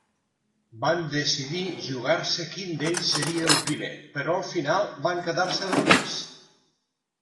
Van decidir jugar-se quin d'ells seria el primer, però al final van quedar-se adormits.